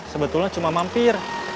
sebetulnya cuma mampir